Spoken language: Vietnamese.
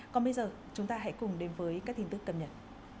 còn bây giờ chúng ta hãy cùng đến với các tin tức cập nhật